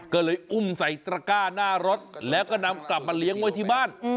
ก็เลยอุ้มใส่ตระก้าหน้ารถแล้วก็นำกลับมาเลี้ยงไว้ที่บ้าน